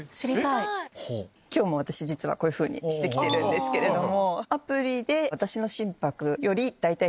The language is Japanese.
今日も私実はこういうふうにしてきてるんですけども。